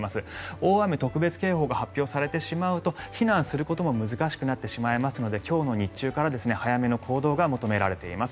大雨特別警報が発表されてしまうと避難することも難しくなってしまいますので今日の日中から早めの行動が求められています。